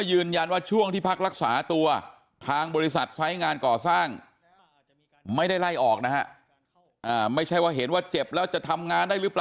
ยืนยันว่าช่วงที่พักรักษาตัวทางบริษัทใช้งานก่อสร้าง